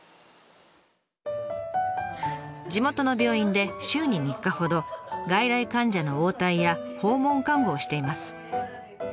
地元の病院で週に３日ほど外来患者の応対や訪問看護をしています。